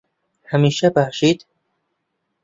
هەمیشە باشیت.